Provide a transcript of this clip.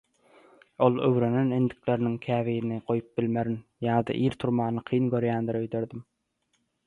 Ol öwrenen endikleriniň käbirini goýup bilmerin ýa-da ir turmany kyn görýändir öýderdim.